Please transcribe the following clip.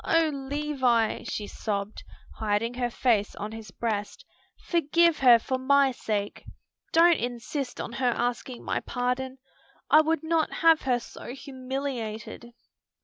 "O Levis!" she sobbed, hiding her face on his breast, "forgive her for my sake. Don't insist on her asking my pardon. I would not have her so humiliated."